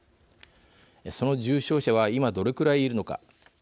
その重症者は今どれくらいいるのか。